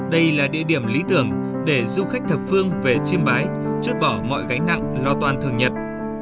đây là địa điểm lý tưởng để du khách thập phương về chiêm bái rút bỏ mọi gánh nặng lo toan thường nhật